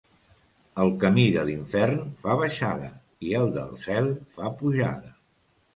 El camí de l'infern fa baixada i el del cel fa pujada.